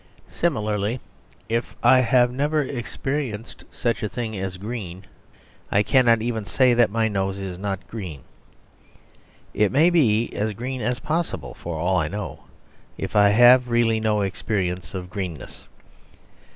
Similarly, if I have never experienced such a thing as green I cannot even say that my nose is not green. It may be as green as possible for all I know, if I have really no experience of greenness.